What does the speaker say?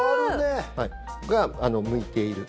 これが向いている。